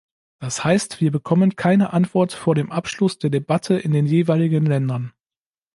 Das heißt, wir bekommen keine Antwort vor dem Abschluss der Debatte in den jeweiligen Ländern.